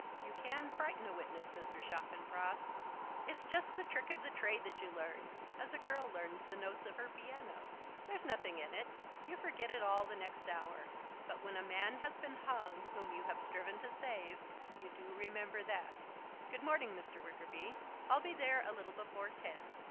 "You can frighten a witness, Mr. Chaffanbrass." "It's just the trick of the trade that you learn, as a girl learns the notes of her piano. There's nothing in it. You forget it all the next hour. But when a man has been hung whom you have striven to save, you do remember that. Good morning, Mr. Wickerby. I'll be there a little before ten.